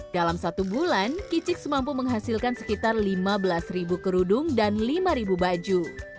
dalam satu bulan kicix mampu menghasilkan sekitar lima belas kerudung dan lima baju